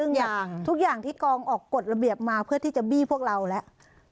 ทุกอย่างทุกอย่างที่กองออกกฎระเบียบมาเพื่อที่จะบี้พวกเราแล้ว